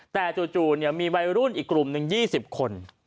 แต่จู่มีวัยรุ่นอีกกลุ่มหนึ่ง๒๐คน